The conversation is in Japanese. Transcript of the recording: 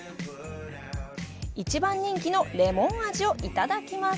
一番人気のレモン味をいただきます。